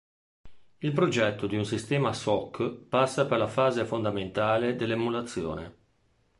Il progetto di un sistema SoC passa per la fase fondamentale dell'emulazione.